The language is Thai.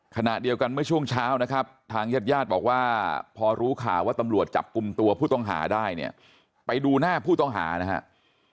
ขณะเดียวกันเมื่อช่วงเช้านะครับทางญาติญาติบอกว่าพอรู้ข่าวว่าตำรวจจับกลุ่มตัวผู้ต้องหาได้เนี่ยไปดูหน้าผู้ต้องหานะครับ